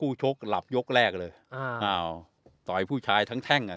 ชกหลับยกแรกเลยอ้าวอ้าวต่อยผู้ชายทั้งแท่งอ่ะ